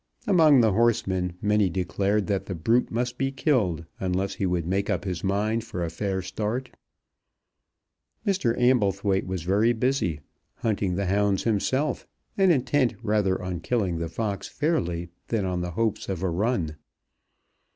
Among the horsemen many declared that the brute must be killed unless he would make up his mind for a fair start. Mr. Amblethwaite was very busy, hunting the hounds himself, and intent rather on killing the fox fairly than on the hopes of a run.